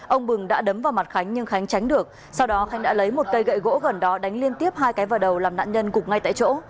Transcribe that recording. ông bừng đã đấm vào mặt khánh nhưng khánh tránh được sau đó khánh đã lấy một cây gậy gỗ gần đó đánh liên tiếp hai cái vào đầu làm nạn nhân gục ngay tại chỗ